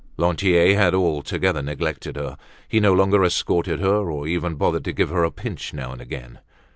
Lantier had altogether neglected her; he no longer escorted her or even bothered to give her a pinch now and again.